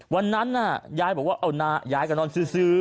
วันนั้นน่ะยายบอกว่ายายก็นอนซื้อ